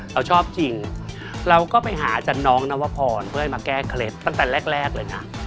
เราชอบจริงเราก็ไปหาอาจารย์น้องนวพรเพื่อให้มาแก้เคล็ดตั้งแต่แรกเลยนะ